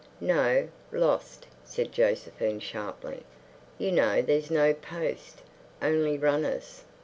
"No, lost," said Josephine sharply. "You know there's no post. Only runners."